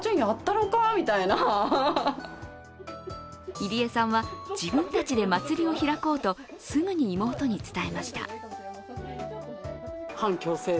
入江さんは、自分たちで祭りを開こうとすぐに妹に伝えました。